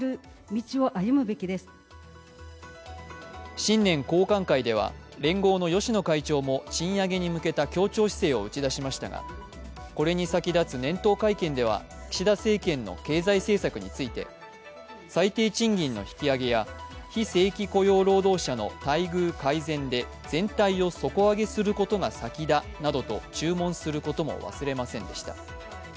新年交歓会では、連合の芳野会長も賃上げに向けた協調姿勢を打ち出しましたがこれに先立つ念頭会見では岸田政権の経済政策について最低賃金の引き上げや非正規雇用労働者の待遇改善で全体を底上げすることが先だなどと注文することも忘れませんでした。